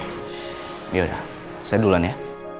yaudah saya duluan ya